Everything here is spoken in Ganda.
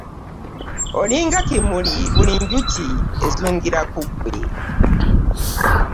Olinga kimuli buli njuki ezungira ku ggwe.